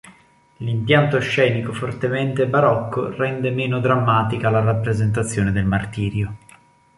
L'impianto scenico fortemente barocco, rende meno drammatica la rappresentazione del martirio.